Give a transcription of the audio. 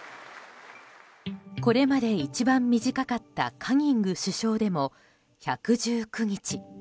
これまで一番短かったカニング首相でも、１１９日。